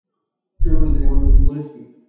ছোটবেলা থেকে এখন অবধি বলেছি কি?